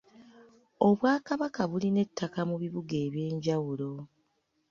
Obwakabaka bulina ettaka mu bibuga eby'enjawulo.